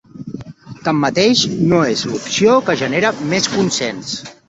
Tanmateix, no és l’opció que genera més consens.